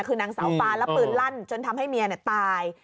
คือนางสาวฟ้าแล้วปืนลั่นจนทำให้เมียตาย